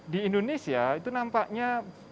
di indonesia itu nampaknya